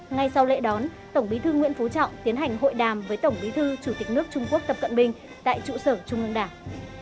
ngay sau lễ đón tổng bí thư nguyễn phú trọng tiến hành hội đàm với tổng bí thư chủ tịch nước trung quốc tập cận bình tại trụ sở trung ương đảng